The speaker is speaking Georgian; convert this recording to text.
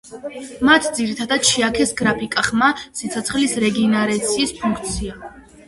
მათ ძირითადად შეაქეს გრაფიკა, ხმა და სიცოცხლის რეგენერაციის ფუნქცია.